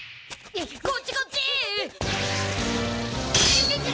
こっちこっち！